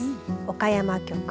岡山局。